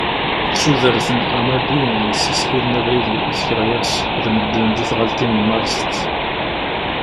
D tudert n Amadou yessishilen abrid i tkeṛyas d medden di tɣaltin n Maristes.